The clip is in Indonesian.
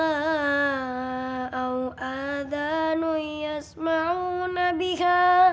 atau ya ada orang yang pernah di depan